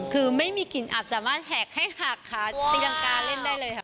คือไม่มีกลิ่นอับสามารถแหกให้หักค่ะเตียงกาเล่นได้เลยค่ะ